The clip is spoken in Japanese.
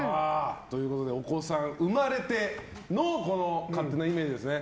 お子さん生まれてのこの勝手なイメージですね。